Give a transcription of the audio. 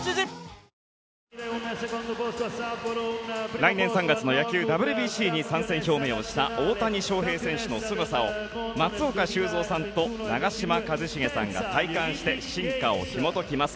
来年３月の野球ＷＢＣに参戦表明をした大谷翔平選手のすごさを松岡修造さんと長嶋一茂さんが体感して、進化をひも解きます